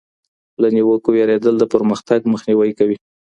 له نیوکو وېرېدل د پرمختګ مخنیوی کوي.